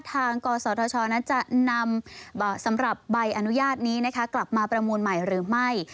กศธชนั้นจะนำสำหรับใบอนุญาตนี้กลับมาประมูลใหม่หรือไม่